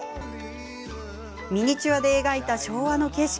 ミニチュアで描いた昭和の景色。